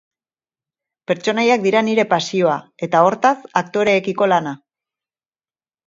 Pertsonaiak dira nire pasioa, eta, hortaz, aktoreekiko lana.